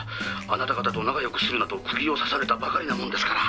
「あなた方と仲良くするなと釘を刺されたばかりなもんですから」